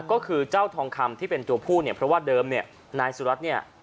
ก็คือเจ้าทองคำที่เป็นตัวผู้เนี่ยเพราะว่าเดิมเนี่ยนายสุรัตน์เนี่ย